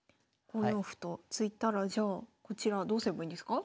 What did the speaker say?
５四歩と突いたらじゃあこちらどうすればいいんですか？